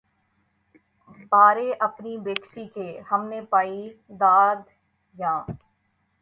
بارے‘ اپنی بیکسی کی ہم نے پائی داد‘ یاں